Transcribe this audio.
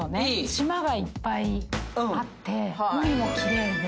島がいっぱいあって海も奇麗で。